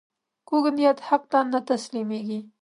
کوږ نیت حق ته نه تسلیمېږي